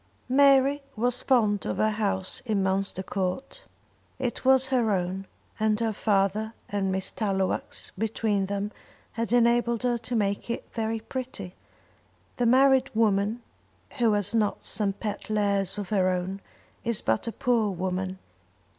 Mary was fond of her house in Munster Court. It was her own; and her father and Miss Tallowax between them had enabled her to make it very pretty. The married woman who has not some pet lares of her own is but a poor woman.